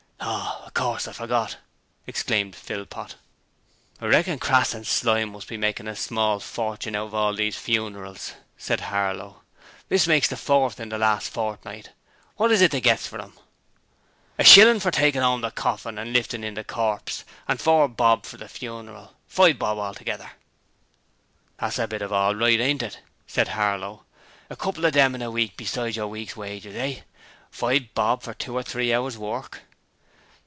'Oh, of course; I forgot,' exclaimed Philpot. 'I reckon Crass and Slyme must be making a small fortune out of all these funerals,' said Harlow. 'This makes the fourth in the last fortnight. What is it they gets for 'em?' 'A shillin' for taking' 'ome the corfin and liftin' in the corpse, and four bob for the funeral five bob altogether.' 'That's a bit of all right, ain't it?' said Harlow. 'A couple of them in a week besides your week's wages, eh? Five bob for two or three hours work!'